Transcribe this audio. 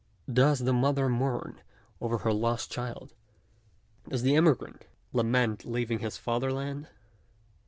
does the mother mourn over her lost child ? does the emigrant lament leaving his father land